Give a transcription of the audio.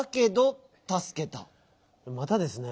またですねぇ。